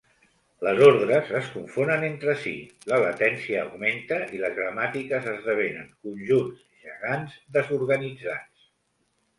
Les ordres es confonen entre si, la latència augmenta i les gramàtiques esdevenen conjunts gegants desorganitzats.